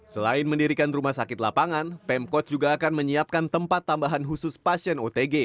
selain mendirikan rumah sakit lapangan pemkot juga akan menyiapkan tempat tambahan khusus pasien otg